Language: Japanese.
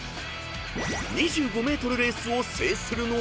［２５ｍレースを制するのは？］